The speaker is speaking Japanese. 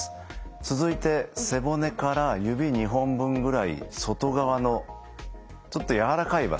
続いて背骨から指２本分ぐらい外側のちょっとやわらかい場所